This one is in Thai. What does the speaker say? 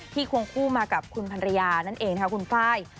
ที่ควงคู่มากับคุณภรรยานั่นเองคุณป้าย